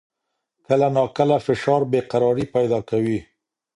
کله ناکله فشار بې قراري پیدا کوي.